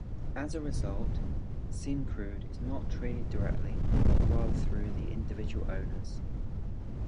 As a result, Syncrude is not traded directly, but rather through the individual owners.